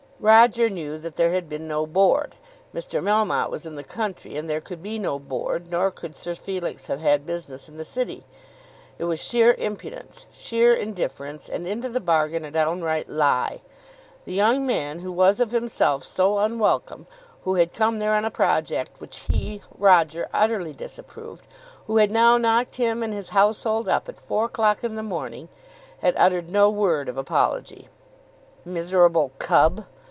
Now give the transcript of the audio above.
Roger knew that there had been no Board. Mr. Melmotte was in the country and there could be no Board, nor could Sir Felix have had business in the city. It was sheer impudence, sheer indifference, and, into the bargain, a downright lie. The young man, who was of himself so unwelcome, who had come there on a project which he, Roger, utterly disapproved, who had now knocked him and his household up at four o'clock in the morning, had uttered no word of apology. "Miserable cub!"